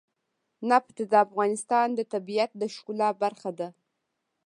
نفت د افغانستان د طبیعت د ښکلا برخه ده.